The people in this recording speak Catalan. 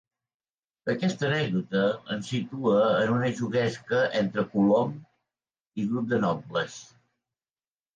Aquesta anècdota ens situa en una juguesca entre Colom i grup de nobles.